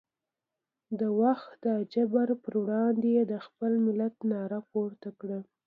د وخت د جابر پر وړاندې یې د خپل ملت ناره پورته کړه.